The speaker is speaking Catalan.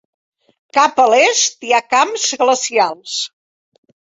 Cap a l'est hi ha camps glacials.